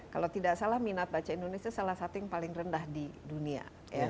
kalau tidak salah minat baca indonesia salah satu yang paling rendah di dunia